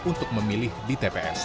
untuk memilih di tps